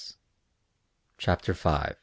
CHAPTER V.